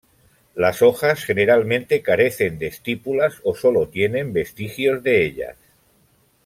Las hojas generalmente carecen de estípulas o sólo tienen vestigios de ellas.